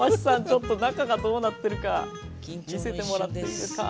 ちょっと中がどうなってるか見せてもらっていいですか？